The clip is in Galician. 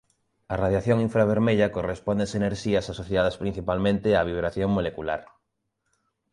A radiación infravermella corresponde ás enerxías asociadas principalmente á vibración molecular.